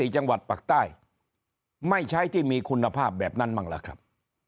จังหวัดปากใต้ไม่ใช้ที่มีคุณภาพแบบนั้นบ้างล่ะครับ